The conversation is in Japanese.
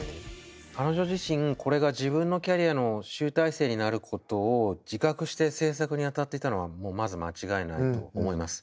彼女自身これが自分のキャリアの集大成になることを自覚して制作に当たってたのはもうまず間違いないと思います。